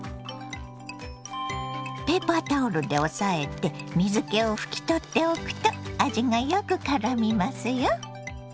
ペーパータオルで押さえて水けを拭き取っておくと味がよくからみますよ。